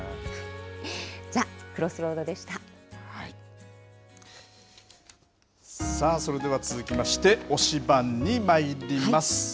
ＴｈｅＣｒｏｓｓｒｏａｄでしさあ、それでは続きまして、推しバン！にまいります。